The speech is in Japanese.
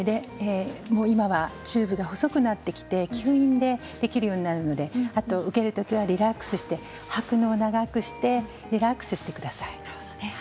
今はチューブが細くなってきて吸引でできるようになるので受けるときはリラックスして吐くのを長くしてリラックスしてください。